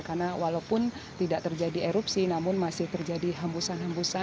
karena walaupun tidak terjadi erupsi namun masih terjadi hembusan